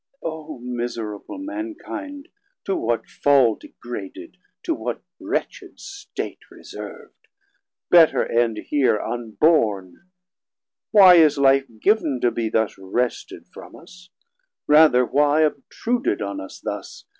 O miserable Mankind, to what fall Degraded, to what wretched state reserv'd? Better end heer unborn. Why is life giv'n To be thus wrested from us? rather why 500 Obtruded on us thus?